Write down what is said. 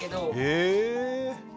へえ。